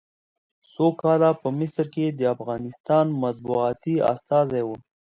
څو کاله په مصر کې د افغانستان مطبوعاتي استازی و.